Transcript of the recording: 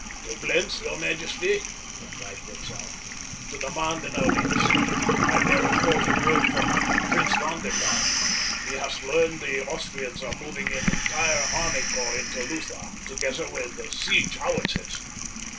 "To Blentz, your majesty," replied Butzow, "to demand an audience. I bear important word from Prince von der Tann. He has learned the Austrians are moving an entire army corps into Lutha, together with siege howitzers.